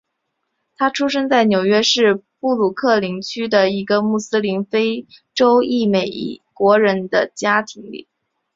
他出生在纽约市布鲁克林区的一个穆斯林非洲裔美国人的家庭里。